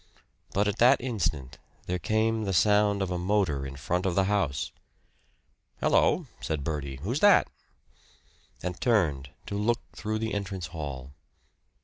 But at that instant there came the sound of a motor in front of the house. "Hello," said Bertie. "Who's that?" and turned to look through the entrance hall.